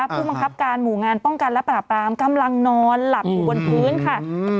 ผู้บังคับการหมู่งานป้องกันและปราบรามกำลังนอนหลับอยู่บนพื้นค่ะ